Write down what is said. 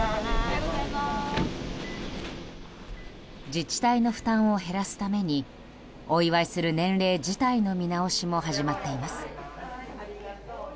自治体の負担を減らすためにお祝いする年齢自体の見直しも始まっています。